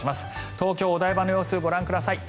東京・お台場の様子ご覧ください。